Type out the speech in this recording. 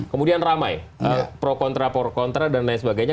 kemudian ramai pro kontra pro kontra dan lain sebagainya